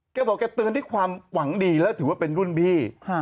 แกบอกแกเตือนด้วยความหวังดีแล้วถือว่าเป็นรุ่นพี่